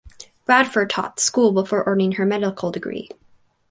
Bradford taught school before earning her medical degree.